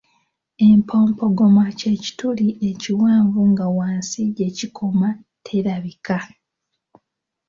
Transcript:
Empompogoma ky’ekituli ekiwanvu nga wansi gye kikoma terabika.